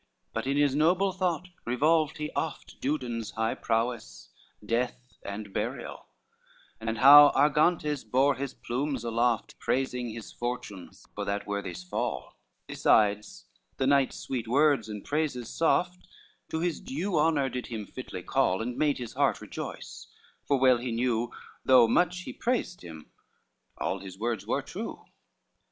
XIII But in his noble thought revolved he oft Dudon's high prowess, death and burial, And how Argantes bore his plumes aloft, Praising his fortunes for that worthy's fall; Besides, the knight's sweet words and praises soft To his due honor did him fitly call, And made his heart rejoice, for well he knew, Though much he praised him, all his words were true.